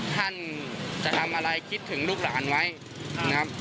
ท่านจะทำอะไรคิดถึงลูกหลานไว้นะครับ